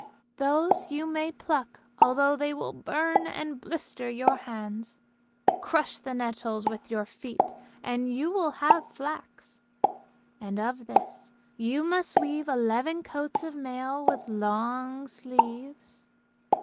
Those you may pluck although they will burn and blister your hands. Crush the nettles with your feet and you will have flax, and of this you must weave eleven coats of mail with long sleeves.